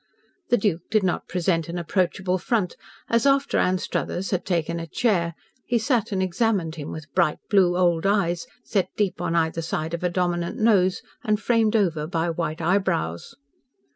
The Duke did not present an approachable front as, after Anstruthers had taken a chair, he sat and examined him with bright blue old eyes set deep on either side of a dominant nose and framed over by white eyebrows.